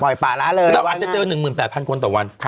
เราอาจจะเจอ๑๘๐๐๐คนต่อวัน